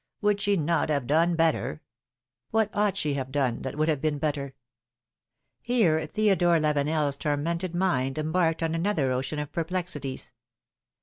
Would she not have done better — AVhat ought she to have done that would have been better ? Here Theodore Lavenel's tormented mind embarked on another ocean of perplexities.